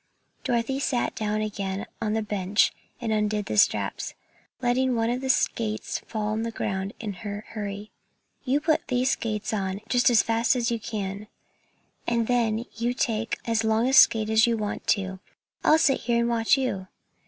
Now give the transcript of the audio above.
Dorothy sat down again on the bench and undid the straps, letting one of the skates fall on the ground in her hurry. "You put these skates on just as fast as you can, and then you take as long a skate as you want to; I'll sit here and watch you."